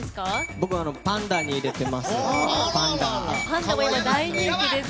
僕はパンダに入れています。